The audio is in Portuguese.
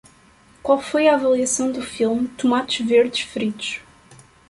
Qual foi a avaliação do filme Tomates Verdes Fritos?